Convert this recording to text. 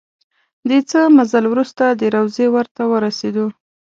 د څه مزل وروسته د روضې ور ته ورسېدو.